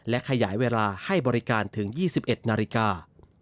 และขยายเวลาให้บริการถึง๒๑นาฬิกา